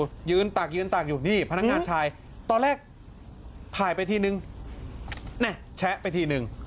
ยืนตักยืนตักอยู่นี่พนักงานชายตอนแรกถ่ายไปทีนึงแชะไปทีนึง